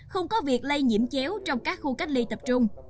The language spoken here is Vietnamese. không có việc lây nhiễm chéo trong các khu cách ly tập trung